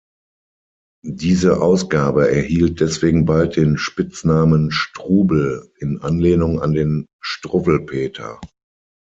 Diese Ausgabe erhielt deswegen bald den Spitznamen „Strubel“ in Anlehnung an den Struwwelpeter.